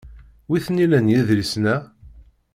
Wi t-nilan yedlisen-a?